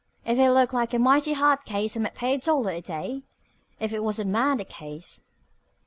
"If it looked like a mighty hard case I might pay a dollar a day if it was a murder case."